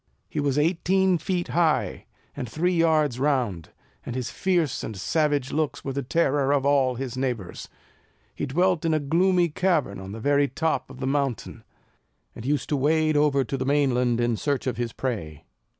He was eighteen feet high, and three yards round; and his fierce and savage looks were the terror of all his neighbours. He dwelt in a gloomy cavern on the very top of the mountain, and used to wade over to the main land in search of his prey.